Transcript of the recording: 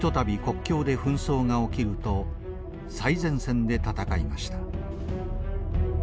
国境で紛争が起きると最前線で戦いました。